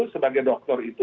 sebagai doktor itu